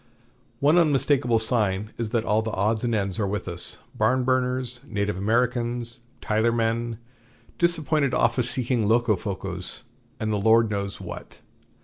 One unmistakable sign is that all the odds and ends are with us Barnburners, Native Americans, Tyler men, disappointed office seeking Locofocos, and the Lord knows what.